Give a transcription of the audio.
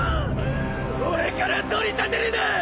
俺から取り立てるな！